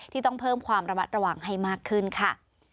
ต้องเพิ่มความระมัดระวังให้มากขึ้นค่ะ